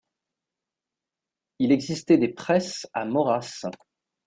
Il existait des presses à morasse.